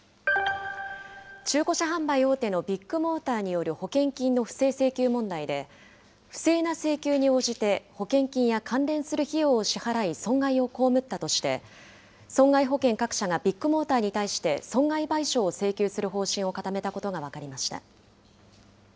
中古車販売大手のビッグモーターによる保険金の不正請求問題で、不正な請求に応じて、保険金や関連する費用を支払い、損害を被ったとして、損害保険各社がビッグモーターに対して、損害賠償を請求する方針を固めたことが分かりました。